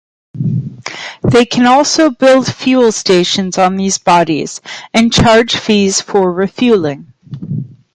They can also build fuel stations on these bodies, and charge fees for refueling.